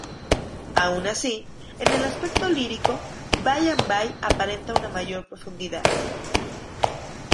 Aun así, en el aspecto lírico, "Bye and Bye" aparenta una mayor profundidad.